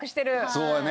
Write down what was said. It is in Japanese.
そうよね。